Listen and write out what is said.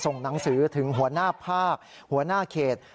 หนังสือถึงหัวหน้าภาคหัวหน้าเขต